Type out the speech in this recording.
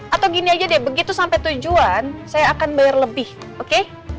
atau gini aja deh begitu sampai tujuan saya akan bayar lebih oke